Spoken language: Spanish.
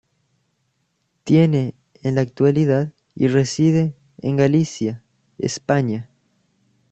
Tiene en la actualidad y reside en Galicia, España.